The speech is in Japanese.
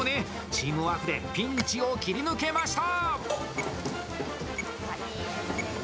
チームワークでピンチを切り抜けました！